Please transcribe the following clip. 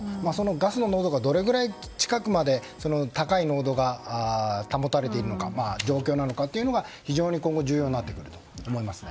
ガスの濃度がどれくらい近くまで高い濃度が保たれている状況なのかが非常に今後、重要になってくると思います。